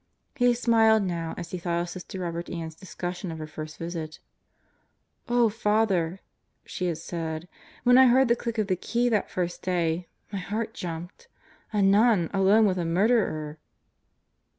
He smiled now as he thought of Sister Robert Ann's discussion of her first visit. "Oh, Father," she had said, "when I heard, the click of the key that first day, my heart jumped a nun alone with a murderer!"